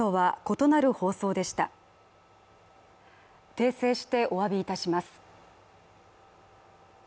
訂正して、おわびいたします。